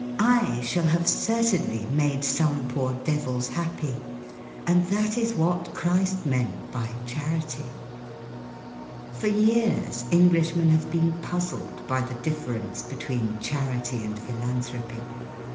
I shall have certainly made some poor devils happy. And that is what Christ meant by charity. For years Englishmen have been puzzled by the difference between Charity and Philanthropy.